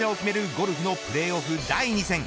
ゴルフのプレーオフ第２戦。